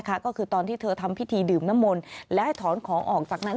ก็คือตอนที่เธอทำพิธีดื่มน้ำมนต์และให้ถอนของออกจากนั้น